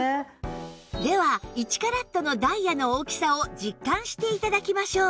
では１カラットのダイヤの大きさを実感して頂きましょう